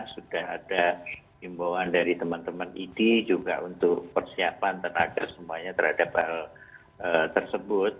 sudah ada imbauan dari teman teman idi juga untuk persiapan tenaga semuanya terhadap hal tersebut